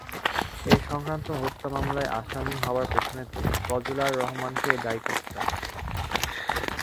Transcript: এ-সংক্রান্ত হত্যা মামলায় আসামি হওয়ার পেছনে তিনি ফজলার রহমানকেই দায়ী করতেন।